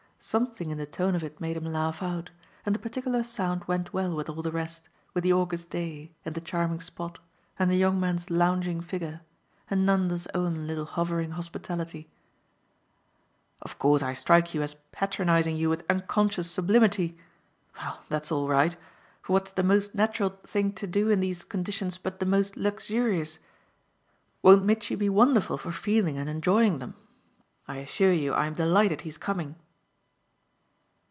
Something in the tone of it made him laugh out, and the particular sound went well with all the rest, with the August day and the charming spot and the young man's lounging figure and Nanda's own little hovering hospitality. "Of course I strike you as patronising you with unconscious sublimity. Well, that's all right, for what's the most natural thing to do in these conditions but the most luxurious? Won't Mitchy be wonderful for feeling and enjoying them? I assure you I'm delighted he's coming."